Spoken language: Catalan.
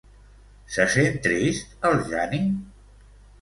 Se sent trist el Jani?